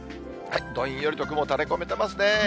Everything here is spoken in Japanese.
どんよりと雲たれこめてますね。